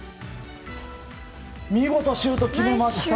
見事、シュート決めました！